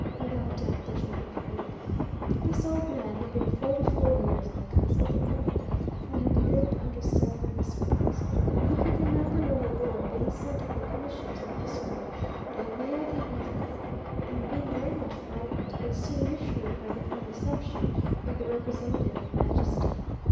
without doubt the general feeling. This old man had been forty four years in the Casa de Moneda, and had lived under several viceroys. He could remember, when a boy, being sent with a commission to the Viceroy Revillagigedo, and being very much frightened, but soon reassured by the kind reception of the representative of majesty.